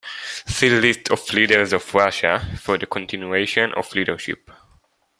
See List of leaders of Russia for the continuation of leadership.